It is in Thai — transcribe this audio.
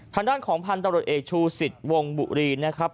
ทางด้านของพันธุ์ตำรวจเอกชูสิทธิ์วงบุรีนะครับ